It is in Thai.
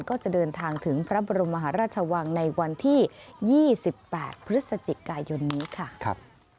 ก็จะเดินทางถึงพระบรมมหาราชวังในวันที่๒๘พฤศจิกายนนี้ค่ะ